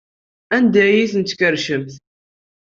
Anda ay ten-tkerrcemt?